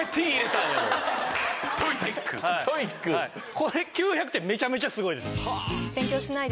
これ９００点めちゃめちゃすごいです。